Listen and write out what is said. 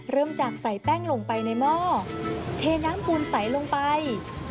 เริ่มจากใส่แป้งลงไปในหม้อเทน้ำปูนใสลงไป